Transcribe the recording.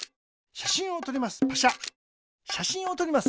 しゃしんをとります。